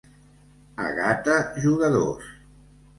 A Gata, jugadors.